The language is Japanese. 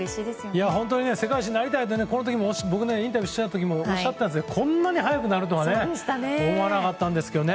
世界一になりたいって僕インタビューした時もおっしゃってたんですけどこんなに早くなるとはね思わなかったんですけどね。